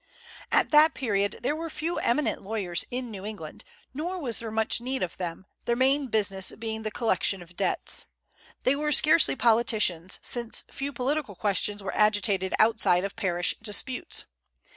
At that period there were few eminent lawyers in New England, nor was there much need of them, their main business being the collection of debts. They were scarcely politicians, since few political questions were agitated outside of parish disputes.